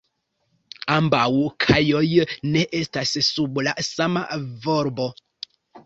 Ambaŭ kajoj ne estas sub la sama volbo.